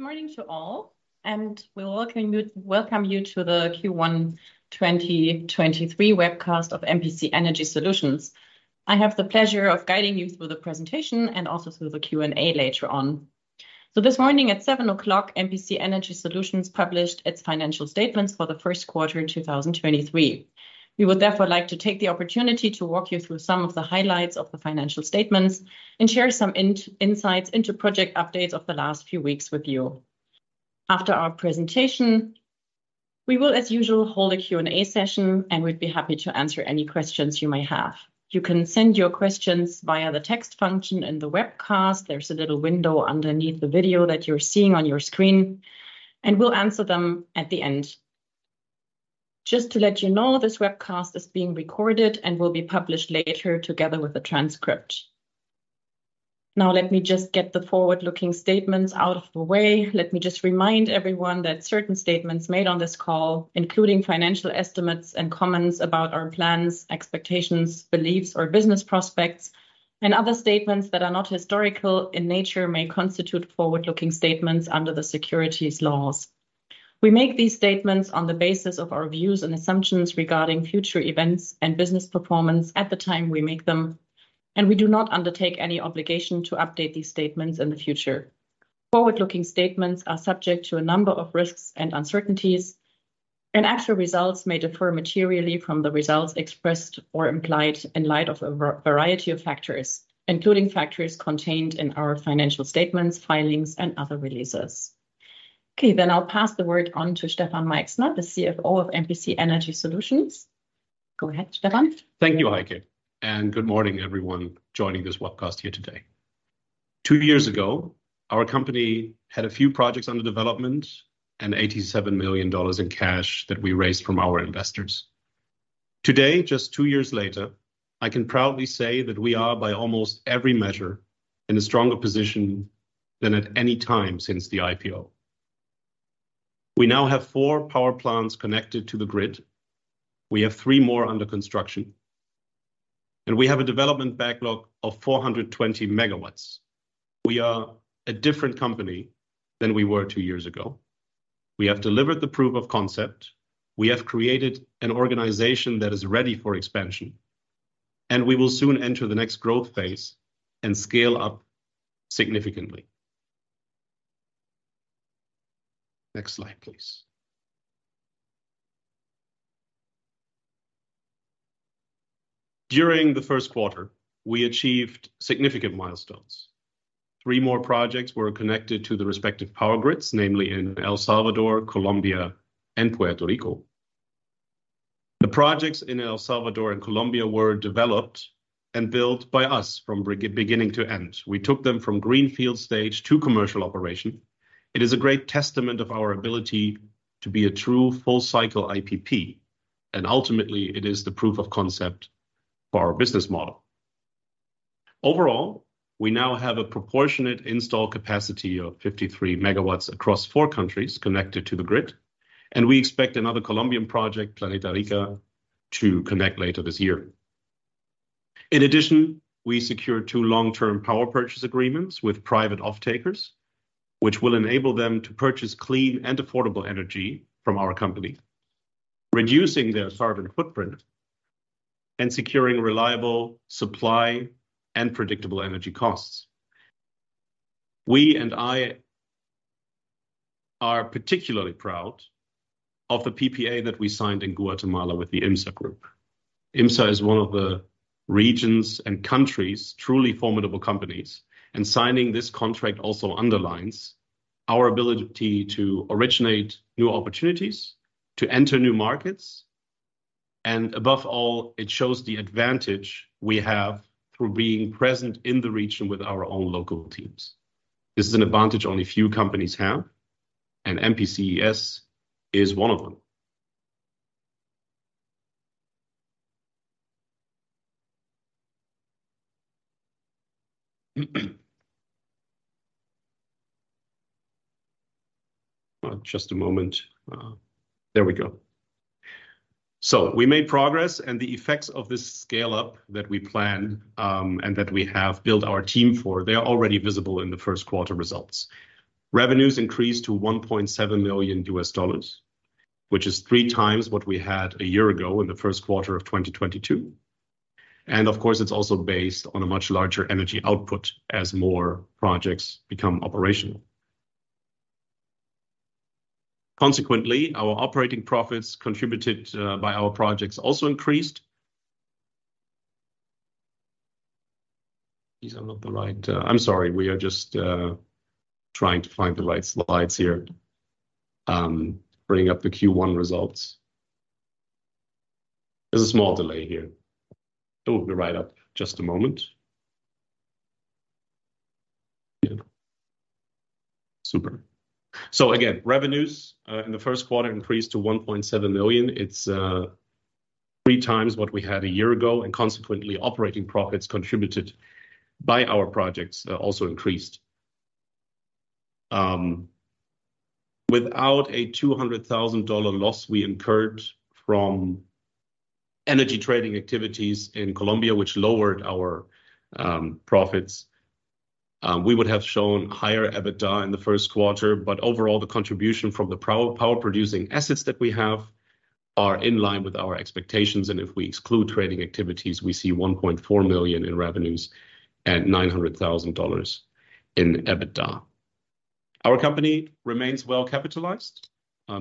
Good morning to all. We welcome you to the Q1 2023 Webcast of MPC Energy Solutions. I have the pleasure of guiding you through the presentation and also through the Q&A later on. This morning at 7:00AM, MPC Energy Solutions published its financial statements for the Q1 in 2023. We would therefore like to take the opportunity to walk you through some of the highlights of the financial statements and share some insights into project updates of the last few weeks with you. After our presentation, we will, as usual, hold a Q&A session. We'd be happy to answer any questions you may have. You can send your questions via the text function in the webcast. There's a little window underneath the video that you're seeing on your screen. We'll answer them at the end. Just to let you know, this webcast is being recorded and will be published later together with the transcript. Let me just get the forward-looking statements out of the way. Let me just remind everyone that certain statements made on this call, including financial estimates and comments about our plans, expectations, beliefs or business prospects, and other statements that are not historical in nature, may constitute forward-looking statements under the securities laws. We make these statements on the basis of our views and assumptions regarding future events and business performance at the time we make them, and we do not undertake any obligation to update these statements in the future. Forward-looking statements are subject to a number of risks and uncertainties, and actual results may differ materially from the results expressed or implied in light of a variety of factors, including factors contained in our financial statements, filings and other releases. I'll pass the word on to Stefan Meixner, the CFO of MPC Energy Solutions. Go ahead, Stefan. Thank you, Heike. Good morning everyone joining this webcast here today. Two years ago, our company had a few projects under development and $87 million in cash that we raised from our investors. Today, just two years later, I can proudly say that we are, by almost every measure, in a stronger position than at any time since the IPO. We now have four power plants connected to the grid. We have three more under construction. We have a development backlog of 420 megawatts. We are a different company than we were two years ago. We have delivered the proof of concept. We have created an organization that is ready for expansion, and we will soon enter the next growth phase and scale up significantly. Next slide, please. During the Q1, we achieved significant milestones. Three more projects were connected to the respective power grids, namely in El Salvador, Colombia and Puerto Rico. The projects in El Salvador and Colombia were developed and built by us from beginning to end. We took them from greenfield stage to commercial operation. It is a great testament of our ability to be a true full cycle IPP, and ultimately it is the proof of concept for our business model. Overall, we now have a proportionate install capacity of 53 MW across four countries connected to the grid, and we expect another Colombian project, Planeta Rica, to connect later this year. In addition, we secured two long-term power purchase agreements with private off-takers, which will enable them to purchase clean and affordable energy from our company, reducing their carbon footprint and securing reliable supply and predictable energy costs. We and I are particularly proud of the PPA that we signed in Guatemala with the IMSA Group. IMSA is one of the regions and countries truly formidable companies, and signing this contract also underlines our ability to originate new opportunities, to enter new markets, and above all, it shows the advantage we have through being present in the region with our own local teams. This is an advantage only few companies have, and MPCES is one of them. Just a moment. There we go. We made progress, and the effects of this scale up that we planned, and that we have built our team for, they are already visible in the Q1 results. Revenues increased to $1.7 million, which is 3 times what we had a year ago in the Q1 of 2022. Of course, it's also based on a much larger energy output as more projects become operational. Consequently, our operating profits contributed by our projects also increased. I'm sorry. We are just trying to find the right slides here, bringing up the Q1 results. There's a small delay here. It will be right up. Just a moment. Yeah. Super. Again, revenues in the Q1 increased to $1.7 million. It's three times what we had a year ago, consequently, operating profits contributed by our projects also increased. Without a $200,000 loss we incurred from energy trading activities in Colombia, which lowered our profits, we would have shown higher EBITDA in the Q1. Overall, the contribution from the power-producing assets that we have are in line with our expectations. If we exclude trading activities, we see $1.4 million in revenues and $900,000 in EBITDA. Our company remains well-capitalized,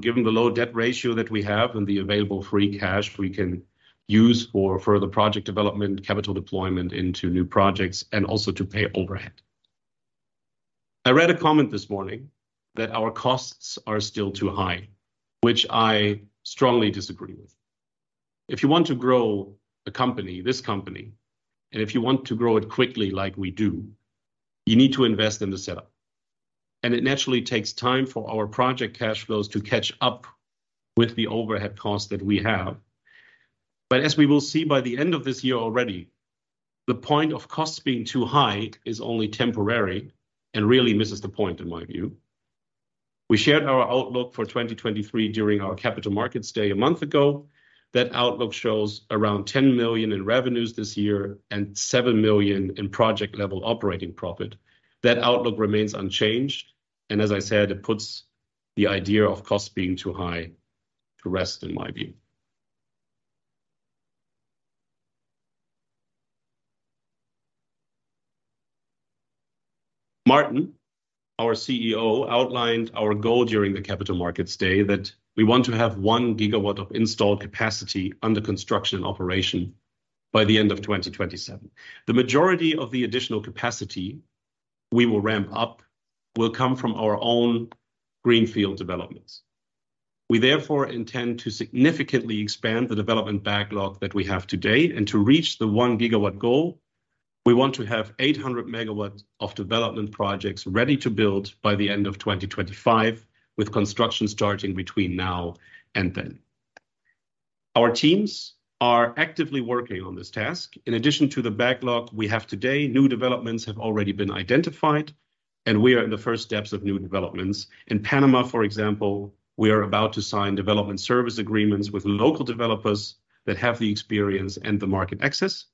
given the low debt ratio that we have and the available free cash we can use for further project development, capital deployment into new projects, and also to pay overhead. I read a comment this morning that our costs are still too high, which I strongly disagree with. If you want to grow a company, this company, and if you want to grow it quickly like we do, you need to invest in the setup. It naturally takes time for our project cash flows to catch up with the overhead costs that we have. As we will see by the end of this year already, the point of costs being too high is only temporary and really misses the point in my view. We shared our outlook for 2023 during our Capital Markets Day a month ago. That outlook shows around $10 million in revenues this year and $7 million in project-level operating profit. That outlook remains unchanged. As I said, it puts the idea of costs being too high to rest in my view. Martin, our CEO, outlined our goal during the Capital Markets Day that we want to have 1 gigawatt of installed capacity under construction and operation by the end of 2027. The majority of the additional capacity we will ramp up will come from our own greenfield developments. We therefore intend to significantly expand the development backlog that we have to date. To reach the 1 gigawatt goal, we want to have 800 megawatts of development projects ready to build by the end of 2025, with construction starting between now and then. Our teams are actively working on this task. In addition to the backlog we have today, new developments have already been identified, and we are in the first steps of new developments. In Panama, for example, we are about to sign development service agreements with local developers that have the experience and the market access.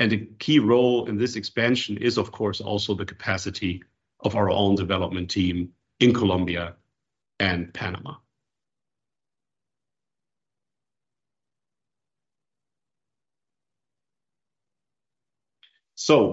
A key role in this expansion is, of course, also the capacity of our own development team in Colombia and Panama.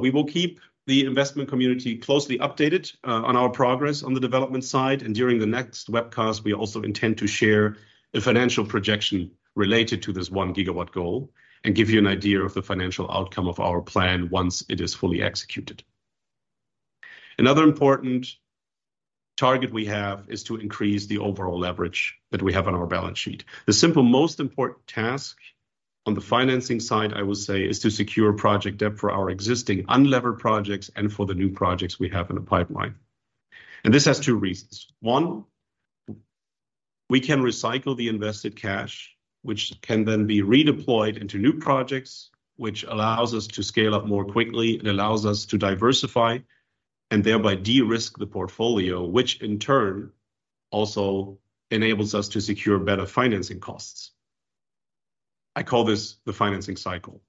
We will keep the investment community closely updated on our progress on the development side. During the next webcast, we also intend to share a financial projection related to this 1 gigawatt goal and give you an idea of the financial outcome of our plan once it is fully executed. Another important target we have is to increase the overall leverage that we have on our balance sheet. The simple most important task on the financing side, I would say, is to secure project debt for our existing unlevered projects and for the new projects we have in the pipeline. This has two reasons. One, we can recycle the invested cash, which can then be redeployed into new projects, which allows us to scale up more quickly and allows us to diversify and thereby de-risk the portfolio, which in turn also enables us to secure better financing costs. I call this the financing cycle.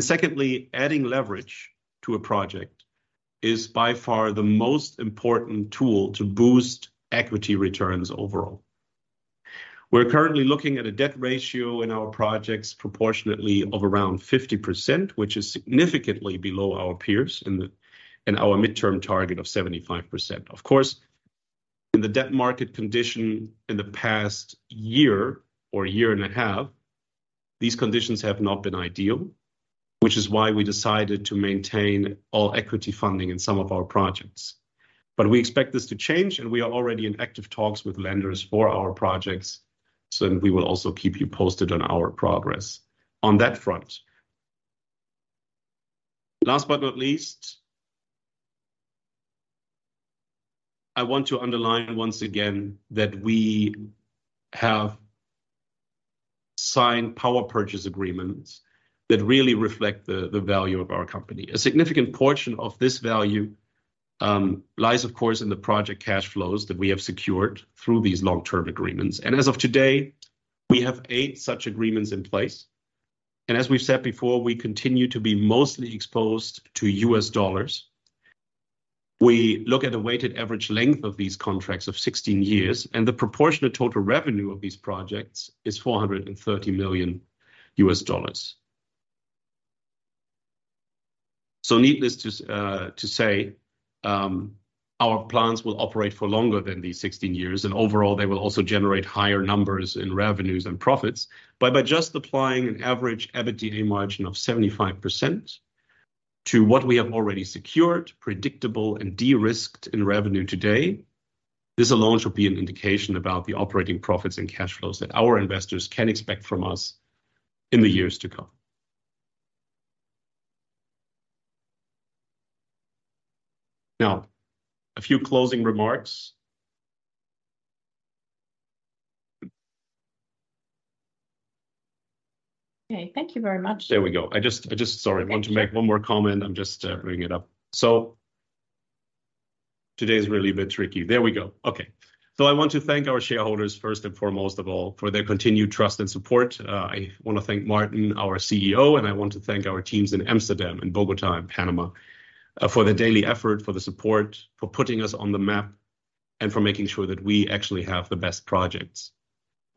Secondly, adding leverage to a project is by far the most important tool to boost equity returns overall. We're currently looking at a debt ratio in our projects proportionately of around 50%, which is significantly below our peers and our midterm target of 75%. Of course, in the debt market condition in the past year or year and a half, these conditions have not been ideal, which is why we decided to maintain all equity funding in some of our projects. We expect this to change, and we are already in active talks with lenders for our projects, so we will also keep you posted on our progress on that front. Last but not least, I want to underline once again that we have signed power purchase agreements that really reflect the value of our company. A significant portion of this value lies, of course, in the project cash flows that we have secured through these long-term agreements. As of today, we have 8 such agreements in place. As we've said before, we continue to be mostly exposed to US dollars. We look at a weighted average length of these contracts of 16 years. The proportion of total revenue of these projects is $430 million. Needless to say, our plans will operate for longer than these 16 years. Overall, they will also generate higher numbers in revenues and profits. By just applying an average EBITDA margin of 75% to what we have already secured, predictable and de-risked in revenue today, this alone should be an indication about the operating profits and cash flows that our investors can expect from us in the years to come. A few closing remarks. Okay. Thank you very much. There we go. Sorry. I want to make one more comment. I'm just bringing it up. Today is really a bit tricky. There we go. Okay. I want to thank our shareholders first and foremost of all for their continued trust and support. I wanna thank Martin, our CEO, and I want to thank our teams in Amsterdam and Bogotá and Panamá for their daily effort, for the support, for putting us on the map, and for making sure that we actually have the best projects.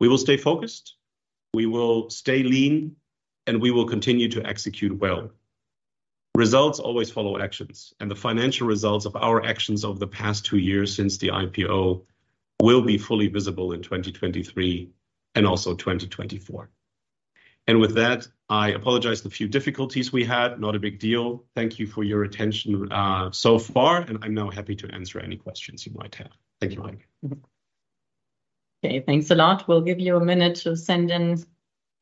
We will stay focused, we will stay lean, and we will continue to execute well. Results always follow actions, and the financial results of our actions over the past two years since the IPO will be fully visible in 2023 and also 2024. With that, I apologize the few difficulties we had. Not a big deal. Thank you for your attention, so far. I'm now happy to answer any questions you might have. Thank you, Heike. Okay, thanks a lot. We'll give you a minute to send in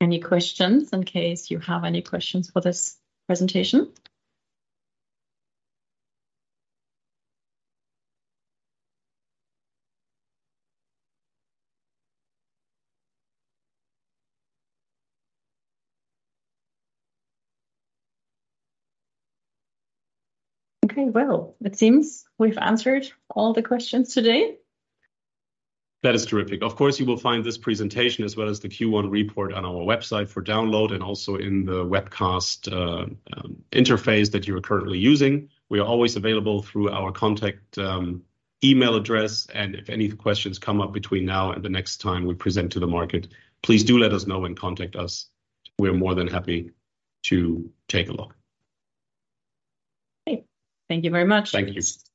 any questions in case you have any questions for this presentation. Okay. Well, it seems we've answered all the questions today. That is terrific. Of course, you will find this presentation as well as the Q1 report on our website for download and also in the webcast interface that you are currently using. We are always available through our contact email address. If any questions come up between now and the next time we present to the market, please do let us know and contact us. We are more than happy to take a look. Okay. Thank you very much. Thank you.